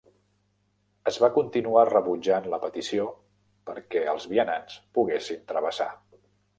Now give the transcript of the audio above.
Es va continuar rebutjant la petició perquè els vianants poguessin travessar.